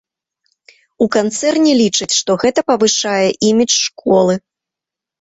У канцэрне лічаць, што гэта павышае імідж школы.